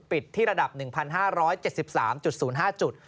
ที่ระดับ๑๕๗๓๐๕จุด